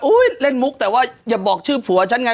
เล่นมุกแต่ว่าอย่าบอกชื่อผัวฉันไง